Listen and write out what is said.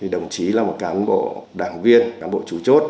đồng chí là một cán bộ đảng viên cán bộ chủ chốt